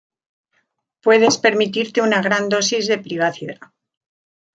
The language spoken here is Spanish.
puedes permitirte una gran dosis de privacidad